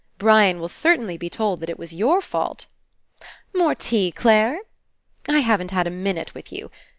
Brian will certainly be told that it was your fault. ^'More tea, Clare? ... I haven't had a minute with you.